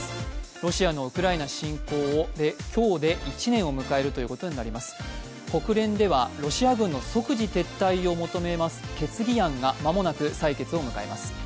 ロシアのウクライナ侵攻、今日で１年を迎えることになります国連では、ロシア軍の即時撤退を求めます決議案が間もなく採決を迎えます。